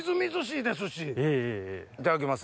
いただきます。